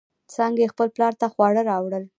څانگې خپل پلار ته خواړه راوړل.